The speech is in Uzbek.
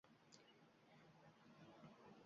Men raykomni birinchi sekretariman, partiya posboniman.